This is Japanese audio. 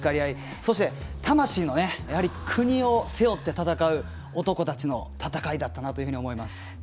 そして、魂の国を背負って戦う男たちの戦いだったなと思います。